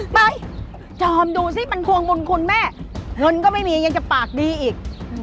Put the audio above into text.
ไปจอมดูสิมันควงบุญคุณแม่เงินก็ไม่มียังจะปากดีอีก